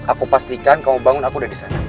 aku pastikan kamu bangun aku udah disana